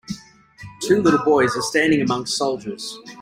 Two little boys are standing amongst soldiers.